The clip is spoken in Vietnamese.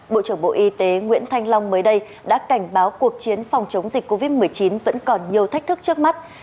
bộ trưởng bộ y tế nguyễn thanh long mới đây đã cảnh báo cuộc chiến phòng chống dịch covid một mươi chín vẫn còn nhiều thách thức trước mắt